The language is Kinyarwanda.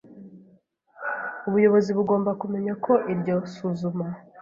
Ubuyobozi bugomba kumenya ko iryo suzuma